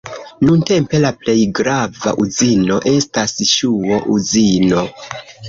Nuntempe la plej grava uzino estas ŝuo-uzino.